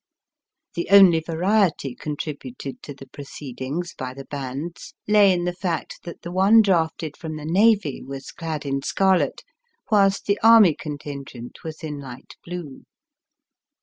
The only variety contributed to the proceedings by the bands lay in the fact that the one drafted from the navy was clad in scarlet, whilst the army contingent was in light blue.